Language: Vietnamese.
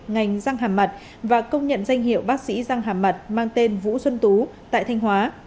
ngành răng hàm mặt và công nhận danh hiệu bác sĩ răng hàm mặt mang tên vũ xuân tú tại thanh hóa